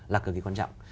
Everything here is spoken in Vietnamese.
là cực kỳ quan trọng